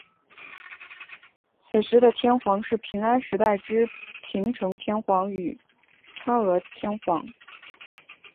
此时的天皇是平安时代之平城天皇与嵯峨天皇。